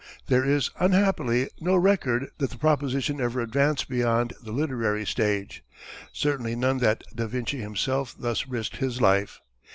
There is, unhappily, no record that the proposition ever advanced beyond the literary stage certainly none that Da Vinci himself thus risked his life.